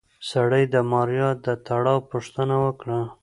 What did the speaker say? سړي د ماريا د تړاو پوښتنه وکړه.